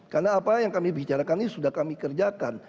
karena apa yang kami bicarakan ini sudah kami kerjakan